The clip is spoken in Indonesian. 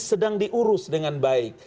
sedang diurus dengan baik